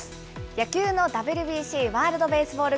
野球のＷＢＣ・ワールドベースボール